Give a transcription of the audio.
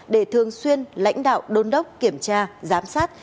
để thường xuyên lãnh đạo đôn đốc kiểm tra giám sát